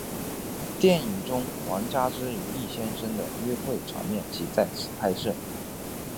电影中王佳芝与易先生的幽会的场面即在此拍摄。